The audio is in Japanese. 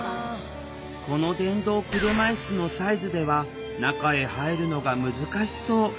この電動車いすのサイズでは中へ入るのが難しそう。